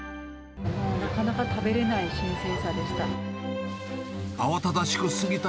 なかなか食べれない新鮮さでした。